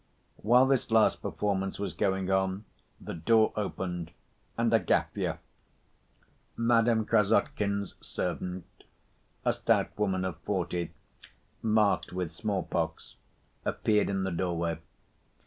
While this last performance was going on, the door opened and Agafya, Madame Krassotkin's servant, a stout woman of forty, marked with small‐pox, appeared in the doorway.